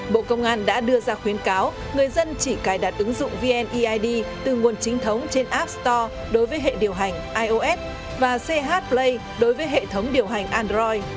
bộ công an đã đưa ra khuyến cáo người dân chỉ cài đặt ứng dụng vneid từ nguồn chính thống trên app store đối với hệ điều hành ios và ch play đối với hệ thống điều hành android